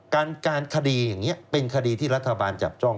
การการคดีอย่างนี้เป็นคดีที่รัฐบาลจับจ้อง